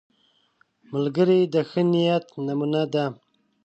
ملګری د ښه نیت نمونه ده